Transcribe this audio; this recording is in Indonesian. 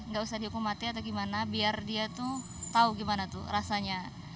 nggak usah dihukum mati atau gimana biar dia tuh tau gimana tuh rasanya